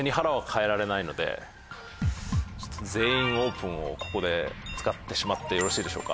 ちょっと「全員オープン」をここで使ってしまってよろしいでしょうか？